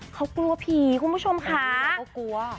เขากลัวผีคุณผู้ชมค่ะ